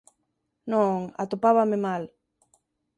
Non, atopábame mal.